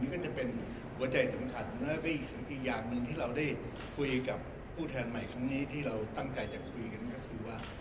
ก็จะเป็นหัวใจสำคัญแล้วก็อีกอย่างหนึ่งที่เราได้คุยกับผู้แทนใหม่ครั้งนี้ที่เราตั้งใจจะคุยกันก็คือว่า